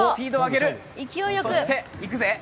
そして、いくぜ。